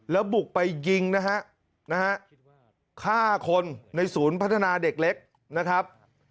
แล้วบุกไปยิงนะฮะนะฮะฆ่าคนในศูนย์พัฒนาเด็กเล็กนะครับ